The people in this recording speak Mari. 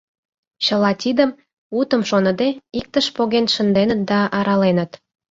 Чыла тидым, утым шоныде, иктыш поген шынденыт да араленыт.